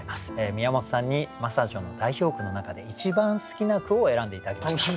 宮本さんに真砂女の代表句の中で一番好きな句を選んで頂きました。